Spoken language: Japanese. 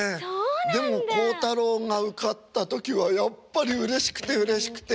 でも孝太郎が受かった時はやっぱりうれしくてうれしくて。